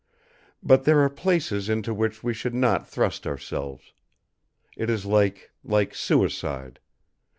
But there are places into which we should not thrust ourselves. It is like like suicide.